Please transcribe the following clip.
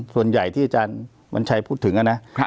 ส่วนใหญ่ที่อาจารย์วัญชัยพูดถึงนะ